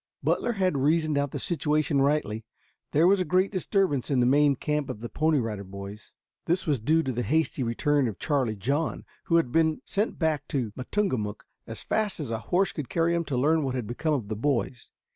Butler had reasoned out the situation rightly. There was a great disturbance in the main camp of the Pony Rider Boys. This was due to the hasty return of Charlie John who had been sent back to Matungamook as fast as a horse could carry him to learn what had become of the boys.